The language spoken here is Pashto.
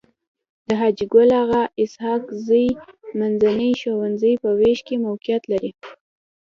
د حاجي ګل اغا اسحق زي منځنی ښوونځی په ويش کي موقعيت لري.